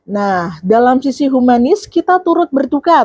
nah dalam sisi humanis kita turut bertukar